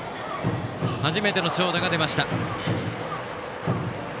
初めての長打が出ました。